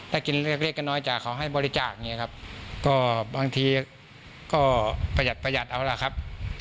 ถ้ากินเล็กเล็กก็น้อยจากเขาให้บริจาคเนี่ยครับก็บางทีก็ประหยัดประหยัดเอาล่ะครับ